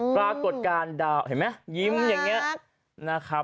ปรากฏการณ์เดาเห็นไหมริ้มอย่างเนี้ย